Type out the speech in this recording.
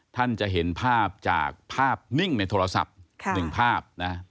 ท่านจะเห็นภาพจากภาพนิ่งในโทรศัพท์๑ภาพนะ